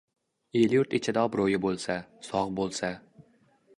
El-yurt ichida obro‘yi bo‘lsa, sog‘ bo‘lsa.